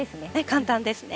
簡単ですね。